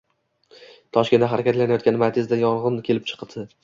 Toshkentda harakatlanayotgan Matiz’da yong‘in kelib chiqdi